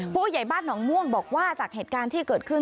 ผู้ใหญ่บ้านหนองม่วงบอกว่าจากเหตุการณ์ที่เกิดขึ้น